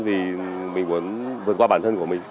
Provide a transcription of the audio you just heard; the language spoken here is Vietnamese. vì mình muốn vượt qua bản thân của mình